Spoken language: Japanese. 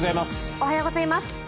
おはようございます。